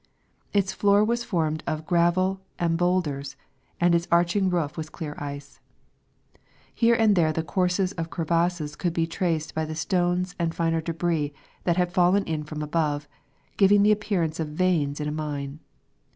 Its floor was formed of gravel and bowlders, and its arching roof was clear ice. Here and there the courses of crevasses could be traced by the stones and finer debris that had fallen in from above, giving the appearance of veins in a mine.